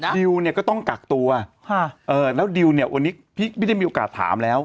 ดิวเนี่ยก็ต้องกักตัวแล้วดิวเนี่ยวันนี้พี่ไม่ได้มีโอกาสถามแล้ว